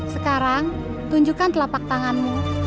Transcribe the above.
sekarang tunjukkan telapak tanganmu